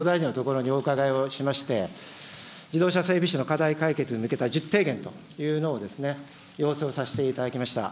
６月に斉藤大臣のところにお伺いをしまして、自動車整備士の課題解決に向けた１０提言というのを、要請をさせていただきました。